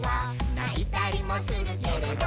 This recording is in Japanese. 「ないたりもするけれど」